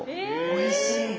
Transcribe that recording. おいしい。